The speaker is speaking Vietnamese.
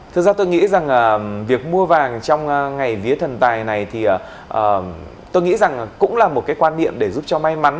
thực ra tôi nghĩ rằng việc mua vàng trong ngày vía thần tài này thì tôi nghĩ rằng cũng là một cái quan niệm để giúp cho may mắn